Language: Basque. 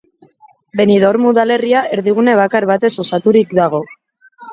Benidorm udalerria erdigune bakar batez osaturik dago.